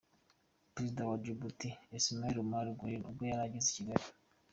Perezida wa Djibouti, Ismaïl Omar Guelleh ubwo yari ageze i Kigali.